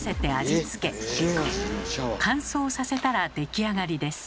乾燥させたら出来上がりです。